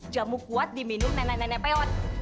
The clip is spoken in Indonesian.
jamu kuat diminum nenek nenek peot